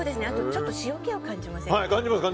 ちょっと塩気を感じませんか。